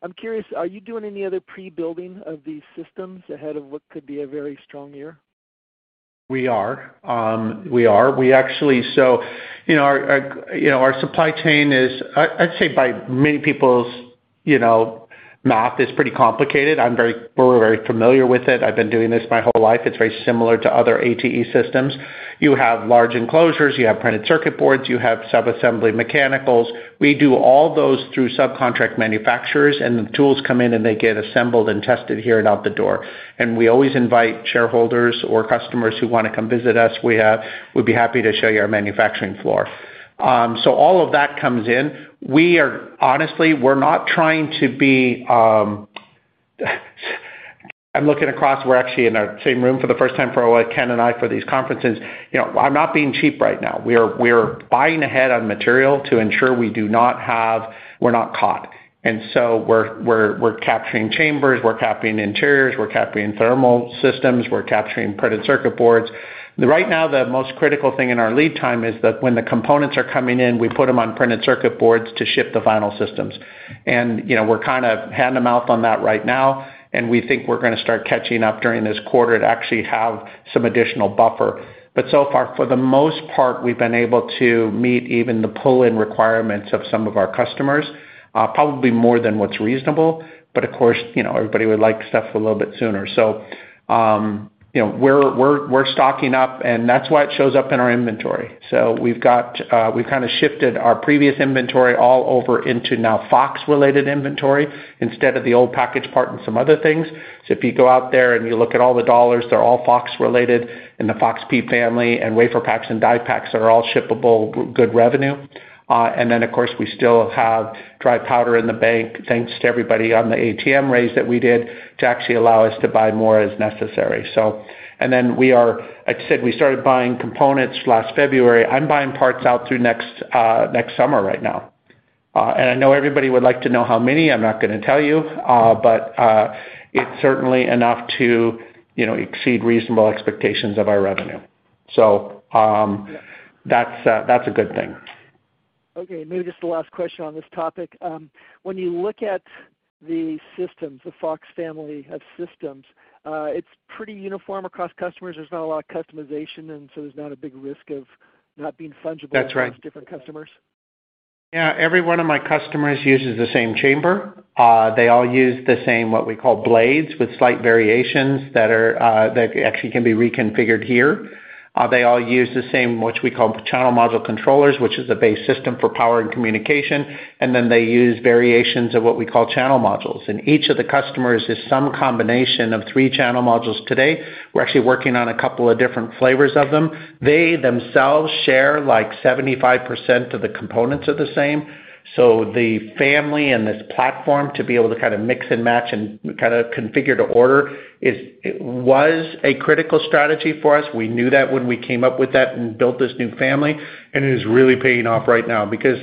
I'm curious, are you doing any other pre-building of these systems ahead of what could be a very strong year? We are. We actually. You know, our supply chain is. I'd say by many people's, you know, math is pretty complicated. We're very familiar with it. I've been doing this my whole life. It's very similar to other ATE systems. You have large enclosures. You have printed circuit boards. You have sub-assembly mechanicals. We do all those through subcontract manufacturers, and the tools come in, and they get assembled and tested here and out the door. We always invite shareholders or customers who wanna come visit us. We would be happy to show you our manufacturing floor. All of that comes in. We are. Honestly, we're not trying to be. I'm looking across. We're actually in our same room for the first time for, what, Ken and I, for these conferences. You know, I'm not being cheap right now. We are buying ahead on material to ensure we're not caught. We're capturing chambers. We're capturing interiors. We're capturing thermal systems. We're capturing printed circuit boards. Right now, the most critical thing in our lead time is that when the components are coming in, we put them on printed circuit boards to ship the final systems. You know, we're kind of hand-to-mouth on that right now, and we think we're gonna start catching up during this quarter to actually have some additional buffer. So far, for the most part, we've been able to meet even the pull-in requirements of some of our customers, probably more than what's reasonable. But of course, you know, everybody would like stuff a little bit sooner. You know, we're stocking up, and that's why it shows up in our inventory. We've got we've kind of shifted our previous inventory all over into now FOX-related inventory instead of the old packaged part and some other things. If you go out there and you look at all the dollars, they're all FOX-related, in the FOX-P family, and WaferPaks and DiePaks are all shippable good revenue. Of course, we still have dry powder in the bank, thanks to everybody on the ATM raise that we did to actually allow us to buy more as necessary. We are—like I said, we started buying components last February. I'm buying parts out through next summer right now. I know everybody would like to know how many, I'm not gonna tell you. It's certainly enough to, you know, exceed reasonable expectations of our revenue. That's a good thing. Okay. Maybe just the last question on this topic. When you look at the systems, the FOX family of systems, it's pretty uniform across customers. There's not a lot of customization, and so there's not a big risk of not being fungible. That's right. across different customers. Yeah. Every one of my customers uses the same chamber. They all use the same, what we call blades, with slight variations that actually can be reconfigured here. They all use the same, which we call channel module controllers, which is a base system for power and communication. And then they use variations of what we call channel modules. And each of the customers uses some combination of three channel modules today. We're actually working on a couple of different flavors of them. They themselves share, like, 75% of the components are the same. The family and this platform to be able to kind of mix and match and kind of configure to order is. It was a critical strategy for us. We knew that when we came up with that and built this new family, and it is really paying off right now. Because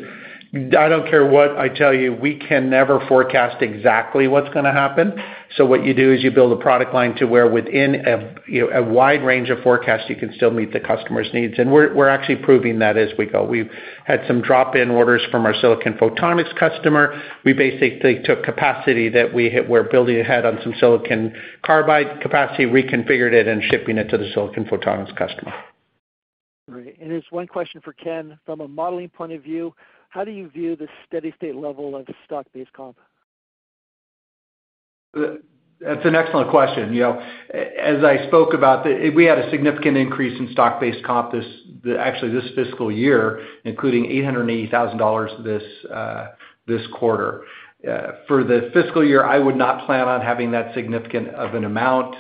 I don't care what I tell you, we can never forecast exactly what's gonna happen. What you do is you build a product line to where within a, you know, a wide range of forecasts, you can still meet the customer's needs. We're actually proving that as we go. We've had some drop-in orders from our silicon photonics customer. We basically took capacity that we had, we're building ahead on some silicon carbide capacity, reconfigured it, and shipping it to the silicon photonics customer. Great. Just one question for Ken. From a modeling point of view, how do you view the steady-state level of stock-based comp? That's an excellent question. You know, as I spoke about, we had a significant increase in stock-based comp this, actually, this fiscal year, including $800,000 this quarter. For the fiscal year, I would not plan on having that significant of an amount.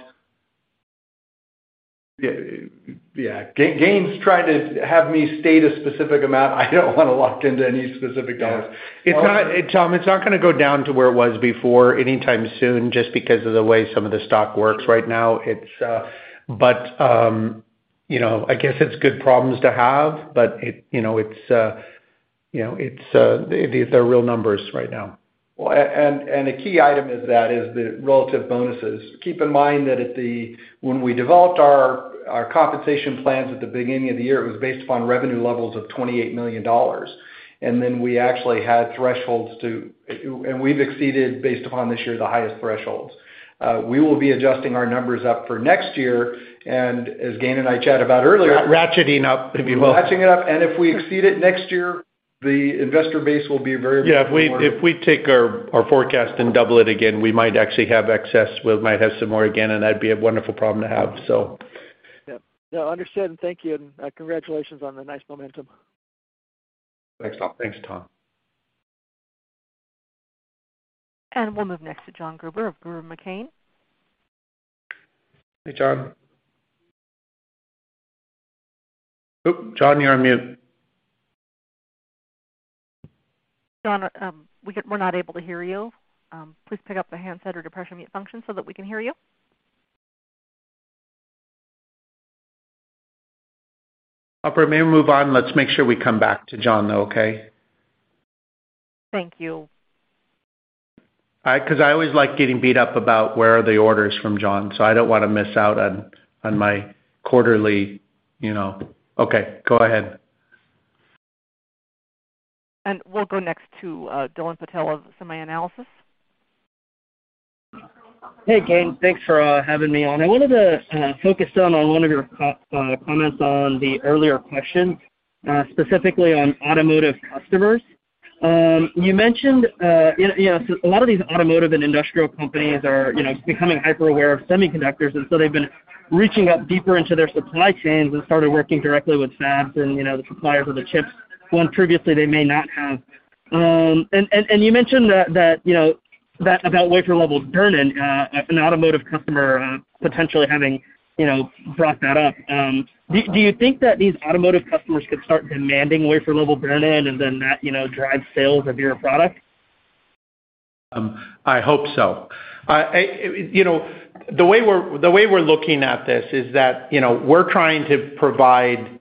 Yeah. Gayn's trying to have me state a specific amount. I don't wanna lock into any specific dollars. Yeah. It's not, Tom, it's not gonna go down to where it was before anytime soon, just because of the way some of the stock works right now. You know, I guess it's good problems to have, but you know, they're real numbers right now. The key item is that is the relative bonuses. Keep in mind that when we developed our compensation plans at the beginning of the year, it was based upon revenue levels of $28 million. Then we actually had thresholds. We've exceeded, based upon this year, the highest thresholds. We will be adjusting our numbers up for next year. As Gayn and I chatted about earlier Ratcheting up. Ratcheting it up. If we exceed it next year, the investor base will be very, very. Yeah, if we take our forecast and double it again, we might actually have excess. We might have some more again, and that'd be a wonderful problem to have, so. Yeah. No, understood, and thank you, and, congratulations on the nice momentum. Thanks, Tom. We'll move next to Jon Gruber of Gruber & McBaine. Hey, Jon. Oh, Jon, you're on mute. John, we're not able to hear you. Please pick up the handset or depress your mute function so that we can hear you. Operator, may we move on? Let's make sure we come back to Jon, though, okay? Thank you. All right. 'Cause I always like getting beat up about where are the orders from John, so I don't wanna miss out on my quarterly, you know. Okay, go ahead. We'll go next to Dylan Patel of SemiAnalysis. Hey, Gayn. Thanks for having me on. I wanted to focus on one of your comments on the earlier question, specifically on automotive customers. You mentioned, you know, so a lot of these automotive and industrial companies are, you know, becoming hyper-aware of semiconductors, and so they've been reaching out deeper into their supply chains and started working directly with fabs and, you know, the suppliers of the chips when previously they may not have. And you mentioned that, you know, that about wafer-level burn-in, an automotive customer potentially having, you know, brought that up. Do you think that these automotive customers could start demanding wafer-level burn-in and then that, you know, drive sales of your product? I hope so. You know, the way we're looking at this is that, you know, we're trying to provide,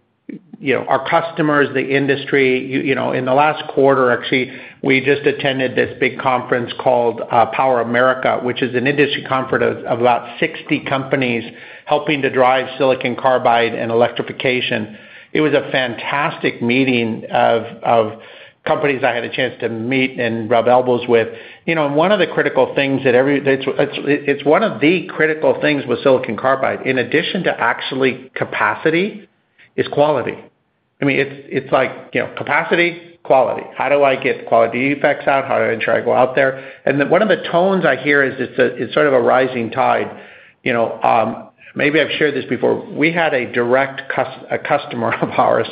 you know, our customers, the industry, you know, in the last quarter, actually, we just attended this big conference called PowerAmerica, which is an industry conference of about 60 companies helping to drive silicon carbide and electrification. It was a fantastic meeting of companies I had a chance to meet and rub elbows with. You know, one of the critical things with silicon carbide, in addition to actually capacity, is quality. I mean, it's like, you know, capacity, quality. How do I get quality defects out? How do I ensure I go out there? One of the tones I hear is it's sort of a rising tide, you know, maybe I've shared this before. We had a customer of ours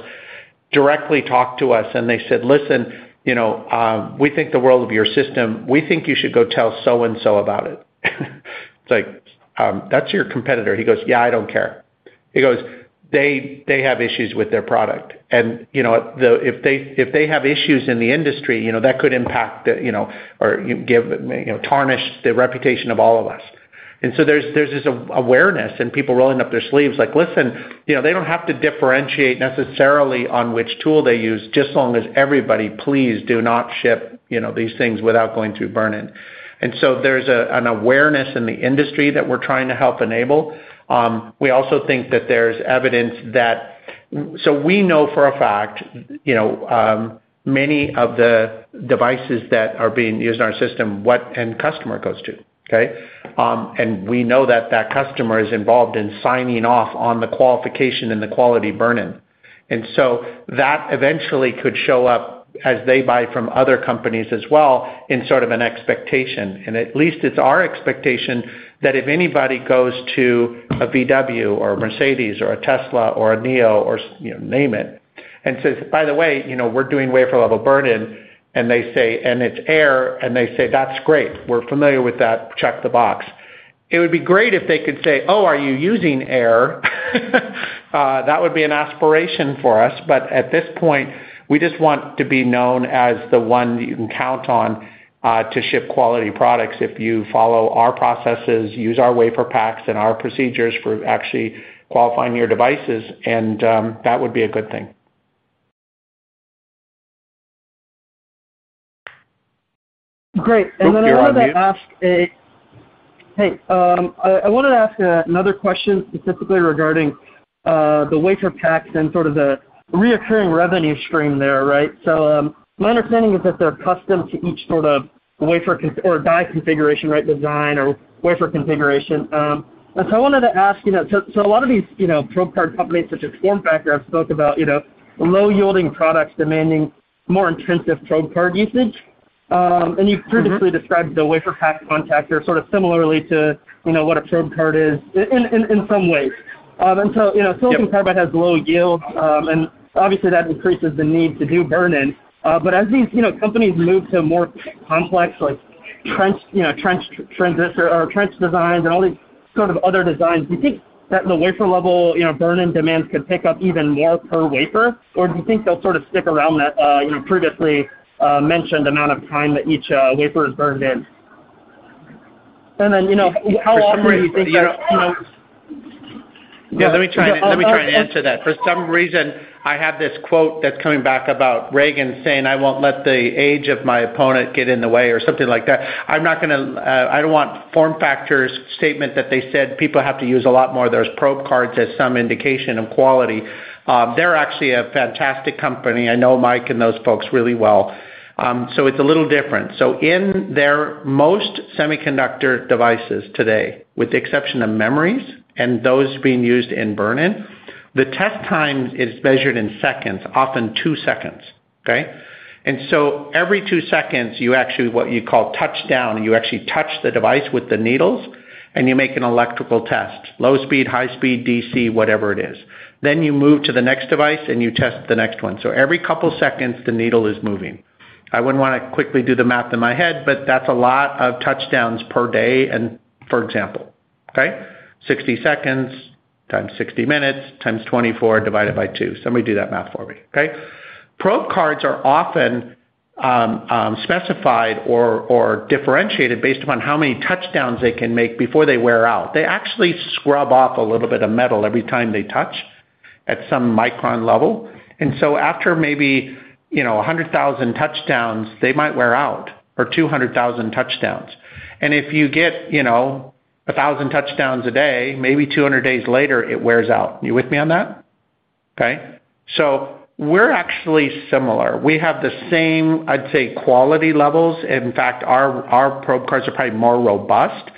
directly talk to us, and they said, "Listen, you know, we think the world of your system, we think you should go tell so and so about it." It's like, "That's your competitor." He goes, "Yeah, I don't care." He goes, "They have issues with their product. You know, if they have issues in the industry, you know, that could impact the, you know. or give, you know, tarnish the reputation of all of us. There's this awareness and people rolling up their sleeves like, "Listen, you know, they don't have to differentiate necessarily on which tool they use just as long as everybody please do not ship, you know, these things without going through burn-in." There's an awareness in the industry that we're trying to help enable. We also think that there's evidence that. So we know for a fact, you know, many of the devices that are being used in our system, what end customer it goes to, okay? And we know that that customer is involved in signing off on the qualification and the quality burn-in. That eventually could show up as they buy from other companies as well in sort of an expectation. At least it's our expectation that if anybody goes to a VW or a Mercedes or a Tesla or a NIO or, you know, name it, and says, "By the way, you know, we're doing wafer-level burn-in," and they say, "And it's Aehr," and they say, "That's great. We're familiar with that. Check the box." It would be great if they could say, "Oh, are you using Aehr?" That would be an aspiration for us. But at this point, we just want to be known as the one you can count on to ship quality products if you follow our processes, use our WaferPaks and our procedures for actually qualifying your devices, and that would be a good thing. Great. I wanted to ask another question specifically regarding the WaferPaks and sort of the recurring revenue stream there, right? My understanding is that they're custom to each sort of wafer or die configuration, right, design or wafer configuration. I wanted to ask, you know, a lot of these, you know, probe card companies such as FormFactor have spoke about, you know, low-yielding products demanding more intensive probe card usage. You've previously described the WaferPak contactor sort of similarly to, you know, what a probe card is in some ways. Silicon carbide has low yield, and obviously that increases the need to do burn-in. As these companies move to more complex like trench transistor or trench designs and all these sort of other designs, do you think that the wafer-level burn-in demands could pick up even more per wafer? Or do you think they'll sort of stick around that you know previously mentioned amount of time that each wafer is burned in? How often do you think that, you know- Let me try and answer that. For some reason, I have this quote that's coming back about Reagan saying, "I won't let the age of my opponent get in the way," or something like that. I'm not gonna, I don't want FormFactor's statement that they said people have to use a lot more of those probe cards as some indication of quality. They're actually a fantastic company. I know Mike and those folks really well. It's a little different. In most semiconductor devices today, with the exception of memories and those being used in burn-in, the test time is measured in seconds, often 2 seconds, okay? Every 2 seconds, you actually, what you call touch down, you actually touch the device with the needles and you make an electrical test, low speed, high speed, DC, whatever it is. You move to the next device and you test the next one. Every couple seconds, the needle is moving. I wouldn't wanna quickly do the math in my head, but that's a lot of touchdowns per day and for example, okay? 60 seconds times 60 minutes times 24 divided by two. Somebody do that math for me, okay? Probe cards are often specified or differentiated based upon how many touchdowns they can make before they wear out. They actually scrub off a little bit of metal every time they touch at some micron level. After maybe, you know, 100,000 touchdowns, they might wear out, or 200,000 touchdowns. If you get, you know, 1,000 touchdowns a day, maybe 200 days later, it wears out. You with me on that? Okay. We're actually similar. We have the same, I'd say, quality levels. In fact, our probe cards are probably more robust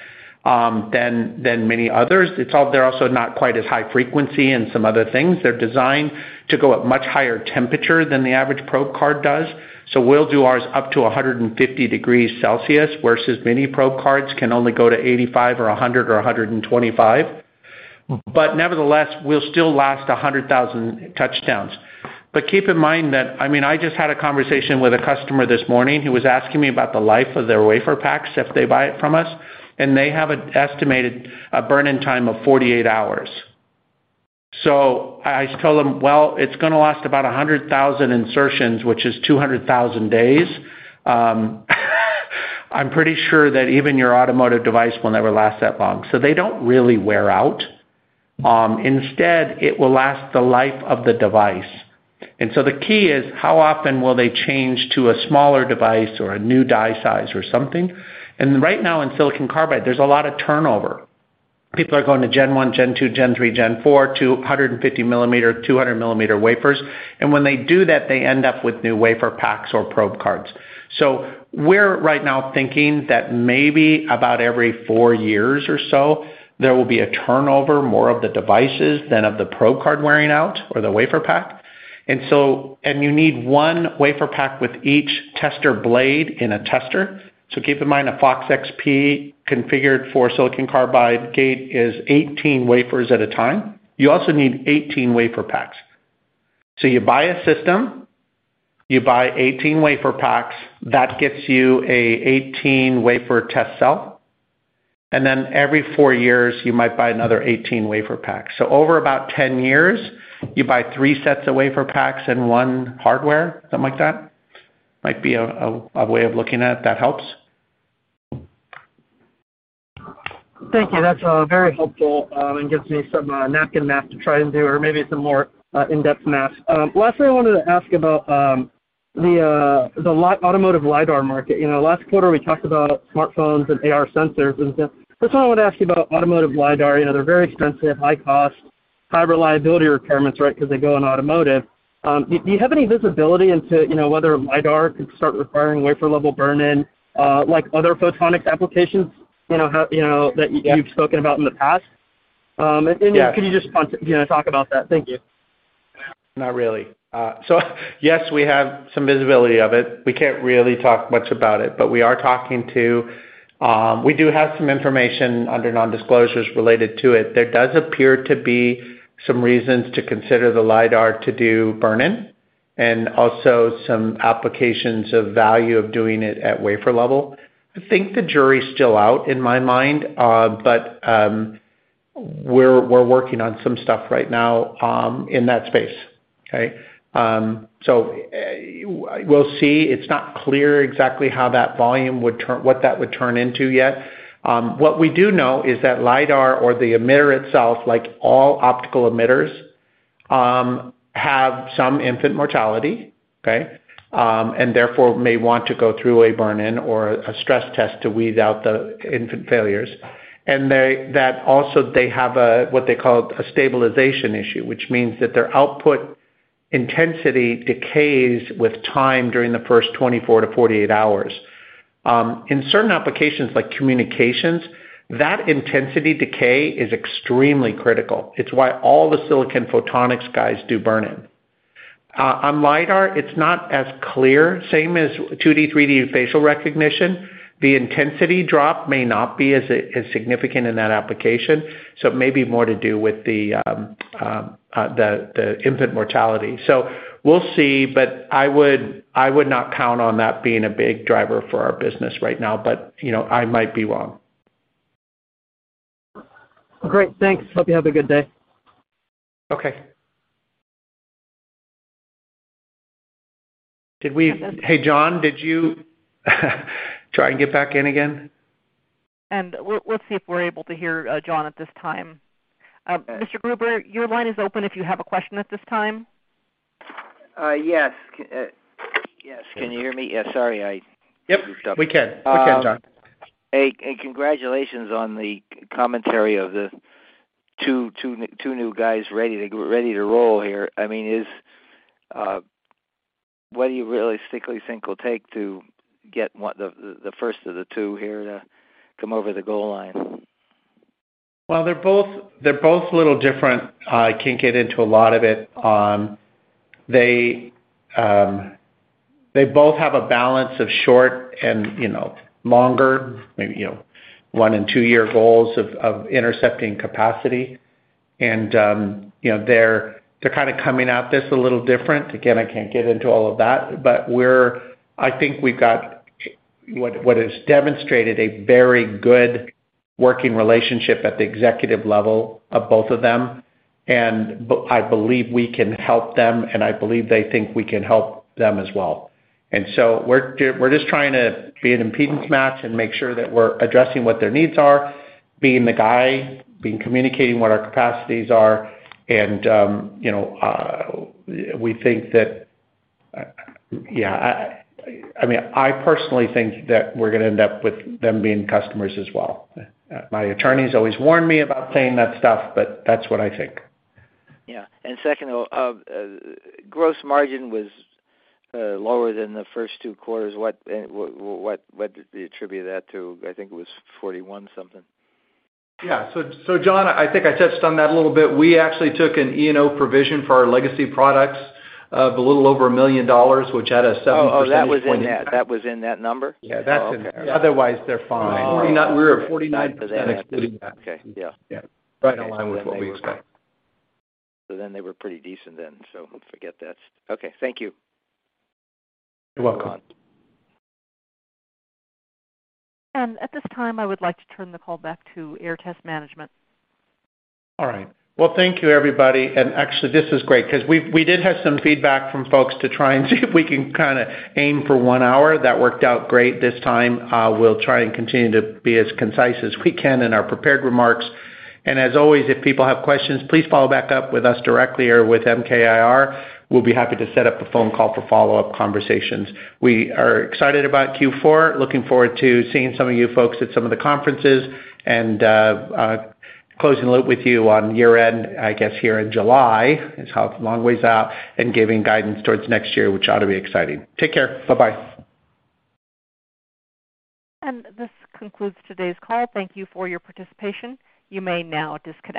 than many others. They're also not quite as high frequency in some other things. They're designed to go at much higher temperature than the average probe card does. We'll do ours up to 150 degrees Celsius, versus many probe cards can only go to 85 or 100 or 125. Nevertheless, we'll still last 100,000 touchdowns. Keep in mind that, I mean, I just had a conversation with a customer this morning who was asking me about the life of their WaferPaks if they buy it from us, and they have an estimated burn-in time of 48 hours. I told them, "Well, it's gonna last about 100,000 insertions, which is 200,000 days. I'm pretty sure that even your automotive device will never last that long." So they don't really wear out. Instead, it will last the life of the device. The key is how often will they change to a smaller device or a new die size or something. Right now, in silicon carbide, there's a lot of turnover. People are going to gen one, gen two, gen three, gen four to a 150 mm, 200 mm wafers. When they do that, they end up with new WaferPaks or probe cards. We're right now thinking that maybe about every four years or so, there will be a turnover, more of the devices than of the probe card wearing out or the WaferPak. You need one WaferPak with each tester blade in a tester. Keep in mind, a FOX-XP configured for silicon carbide gate is 18 wafers at a time. You also need 18 WaferPaks. You buy a system, you buy 18 WaferPaks. That gets you an 18-wafer test cell. Then every four years, you might buy another 18 WaferPaks. Over about 10 years, you buy three sets of WaferPaks and one hardware, something like that. Might be a way of looking at it that helps. Thank you. That's very helpful, and gives me some napkin math to try and do or maybe some more in-depth math. Lastly, I wanted to ask about the automotive LIDAR market. You know, last quarter, we talked about smartphones and AR sensors and stuff. First, I wanna ask you about automotive LIDAR. You know, they're very expensive, high cost, high reliability requirements, right? 'Cause they go in automotive. Do you have any visibility into, you know, whether LIDAR could start requiring wafer-level burn-in, like other photonics applications, you know, how, you know, that you- Yeah. you've spoken about in the past? Yeah, can you just talk about that? Thank you. Not really. Yes, we have some visibility of it. We can't really talk much about it, but we are talking to. We do have some information under non-disclosures related to it. There does appear to be some reasons to consider the LIDAR to do burn-in and also some applications of value of doing it at wafer level. I think the jury's still out, in my mind, but we're working on some stuff right now in that space. Okay. We'll see. It's not clear exactly how that volume would turn, what that would turn into yet. What we do know is that LIDAR or the emitter itself, like all optical emitters, have some infant mortality, okay, and therefore may want to go through a burn-in or a stress test to weed out the infant failures. They also have what they call a stabilization issue, which means that their output intensity decays with time during the first 24-48 hours. In certain applications like communications, that intensity decay is extremely critical. It's why all the silicon photonics guys do burn-in. On LIDAR, it's not as clear, same as 2D, 3D facial recognition. The intensity drop may not be as significant in that application, so it may be more to do with the infant mortality. We'll see, but I would not count on that being a big driver for our business right now. You know, I might be wrong. Great. Thanks. Hope you have a good day. Okay. Hey, John, did you try and get back in again? We'll see if we're able to hear Jon at this time. Mr. Gruber, your line is open if you have a question at this time. Yes. Can you hear me? Yeah. Sorry, I- Yep. goofed up. We can, John. Hey, congratulations on the commentary of the two new guys ready to roll here. I mean, what do you realistically think it will take to get the first of the two here to come over the goal line? Well, they're both a little different. I can't get into a lot of it. They both have a balance of short and, you know, longer, maybe, you know, 1- and 2-year goals of intercepting capacity. You know, they're kinda coming at this a little different. Again, I can't get into all of that. We're I think we've got what is demonstrated a very good working relationship at the executive level of both of them. I believe we can help them, and I believe they think we can help them as well. We're just trying to be an impedance match and make sure that we're addressing what their needs are, being the guy, being communicating what our capacities are. You know, we think that, yeah, I mean, I personally think that we're gonna end up with them being customers as well. My attorneys always warn me about saying that stuff, but that's what I think. Yeah. Second of all, gross margin was lower than the first two quarters. What did you attribute that to? I think it was 41 something. Yeah, John, I think I touched on that a little bit. We actually took an E&O provision for our legacy products of a little over $1 million, which had a 7 percentage point- That was in that number? Yeah, that's in there. Oh, okay. Otherwise, they're fine. 49. We were at 49% excluding that. Okay. Yeah. Yeah. Okay. Right on line with what we expect. They were pretty decent then, so forget that. Okay, thank you. You're welcome. At this time, I would like to turn the call back to Aehr Test management. All right. Well, thank you, everybody. Actually, this is great 'cause we did have some feedback from folks to try and see if we can kinda aim for one hour. That worked out great this time. We'll try and continue to be as concise as we can in our prepared remarks. As always, if people have questions, please follow back up with us directly or with MKR. We'll be happy to set up a phone call for follow-up conversations. We are excited about Q4, looking forward to seeing some of you folks at some of the conferences. Closing the loop with you on year-end, I guess here in July, is how it's a long ways out, and giving guidance towards next year, which ought to be exciting. Take care. Bye-bye. This concludes today's call. Thank you for your participation. You may now disconnect.